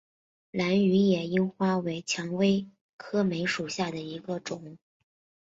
兰屿野樱花为蔷薇科梅属下的一个种。